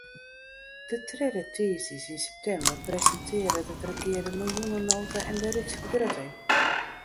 De tredde tiisdeis yn septimber presintearret it regear de miljoenenota en de ryksbegrutting.